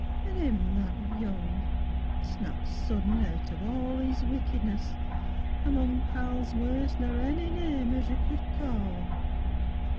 Yi, an' 'im that young, Snapped sudden out of all His wickedness, among Pals worse n'r ony name as you could call.